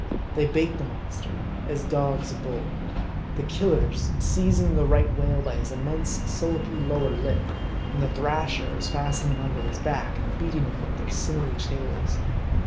They bait the mon ster, as dogs a bull. The Killers seizing the Right whale by his immense, sulky lower lip, and the Thrashers fastening on to his back, and beating him with their sinewy tails.